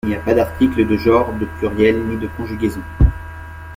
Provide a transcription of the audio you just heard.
Il n'y a pas d'articles, de genres, de pluriel ni de conjugaison.